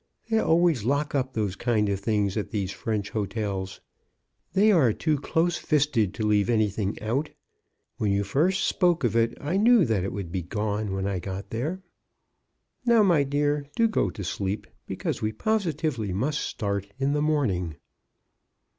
They always lock up those kind of things at these French hotels. They are too close fisted to leave anything out. When you first spoke of it I knew that it would be gone when I got there. Now, my dear, do go to sleep, because we positively must start in the morning."